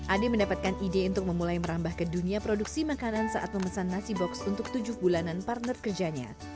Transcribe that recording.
ade mendapatkan ide untuk memulai merambah ke dunia produksi makanan saat memesan nasi box untuk tujuh bulanan partner kerjanya